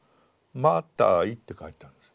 「マタイ」って書いてあるんです。